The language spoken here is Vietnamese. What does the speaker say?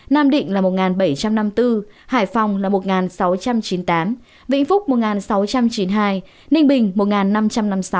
nam định là một bảy trăm năm mươi bốn hải phòng là một sáu trăm chín mươi tám vĩnh phúc một nghìn sáu trăm chín mươi hai ninh bình một năm trăm năm mươi sáu